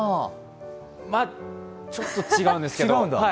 ちょっと違うんですけど。